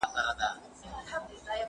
ايا ته پاکوالی کوې،